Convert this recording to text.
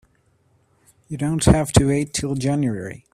You don't have to wait till January.